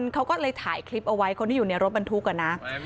เขาก็เลยถ่ายคลิปเอาไว้คนที่อยู่ในรถบรรทุกอะนะ